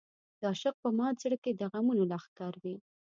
د عاشق په مات زړه کې د غمونو لښکر وي.